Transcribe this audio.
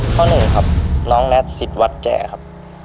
ข้อหนึ่งครับน้องแนทศิษย์สิทธิ์วัดแจ้ครับ